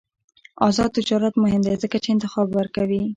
آزاد تجارت مهم دی ځکه چې انتخاب ورکوي.